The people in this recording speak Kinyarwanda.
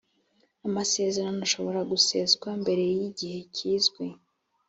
amasezerano ashobora guseswa mbere y igihe kizwi